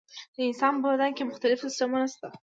د انسان په بدن کې مختلف سیستمونه شته.